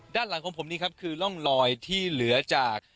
ด้านหลังของผมนี่ครับคือร่องลอยที่เหลือจาก